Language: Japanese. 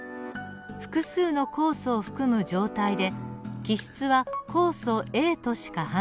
複数の酵素を含む状態で基質は酵素Ａとしか反応しません。